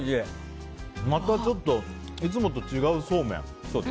またちょっといつもと違うそうめん。